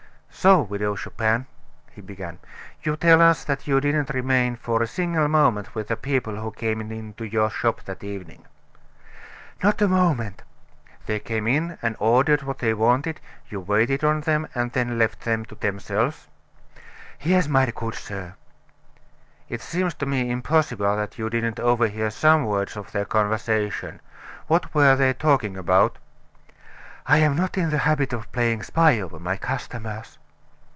"So, Widow Chupin," he began, "you tell us that you didn't remain for a single moment with the people who came into your shop that evening!" "Not a moment." "They came in and ordered what they wanted; you waited on them, and then left them to themselves?" "Yes, my good sir." "It seems to me impossible that you didn't overhear some words of their conversation. What were they talking about?" "I am not in the habit of playing spy over my customers."